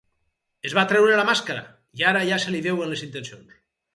Es va treure la màscara, i ara ja se li veuen les intencions.